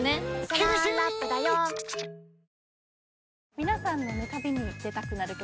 皆さんの「旅に出たくなる曲」